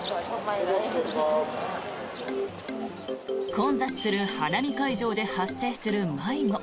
混雑する花見会場で発生する迷子。